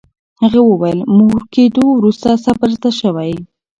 هغې وویل، مور کېدو وروسته صبر زده شوی.